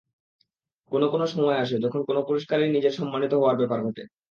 কোনো কোনো সময় আসে, যখন কোনো পুরস্কারের নিজেরই সম্মানিত হওয়ার ব্যাপার ঘটে।